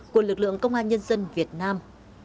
của lực lượng công an nhân dân việt nam